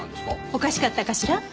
おかしかったかしら？